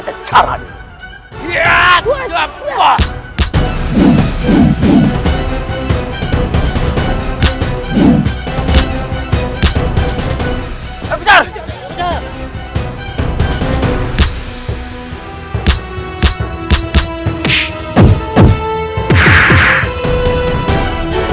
setelah pada caranya